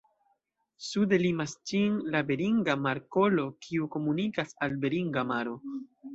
Sude limas ĝin la Beringa Markolo, kiu komunikas al Beringa maro.